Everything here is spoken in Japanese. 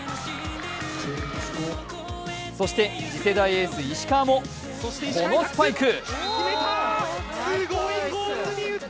そして次世代エース・石川もこのスパイク。